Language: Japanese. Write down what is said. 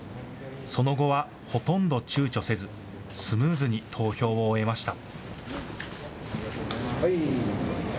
その後はほとんどちゅうちょせずスムーズに投票を終えました。